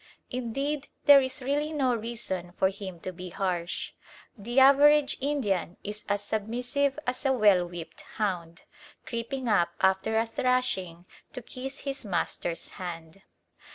Indeed there is really no reason for him to be harsh. The average Indian is as submissive as a well whipped hound, creeping up after a thrashing to kiss his master's hand.